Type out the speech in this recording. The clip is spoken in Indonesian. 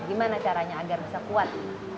gimana caranya agar bisa kuat